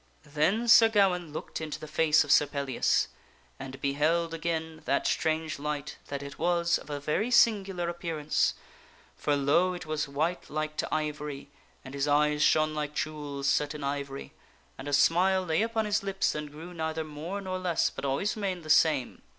Then Sir Gawaine looked into the face of Sir Pellias and beheld again that strange light that it was of a very singular appearance, for, lo ! it was white like to ivory and his eyes shone like jewels set in ivory, and a smile lay upon his lips and grew neither more nor less, but always remained the same.